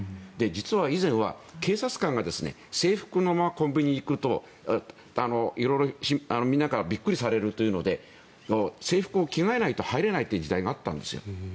実は以前は警察官が制服のままコンビニに行くと色々みんなからびっくりされるというので制服を着替えないと入れないという時代があったんですよ。